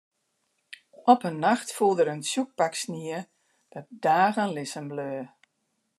Op in nacht foel der in tsjok pak snie dat dagen lizzen bleau.